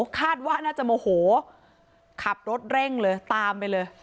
คาดว่าน่าจะโมโหขับรถเร่งเลยตามไปเลย